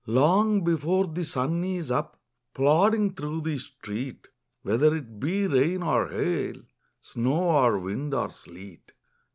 Long before the sun is up, Plodding through the street, Whether it be rain or hail, Snow or wind or sleet.